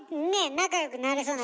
仲良くなれそうな気が。